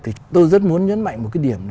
thì tôi rất muốn nhấn mạnh một cái điểm